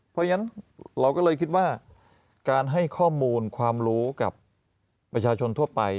เพราะฉะนั้นเราก็เลยคิดว่าการให้ข้อมูลความรู้กับประชาชนทั่วไป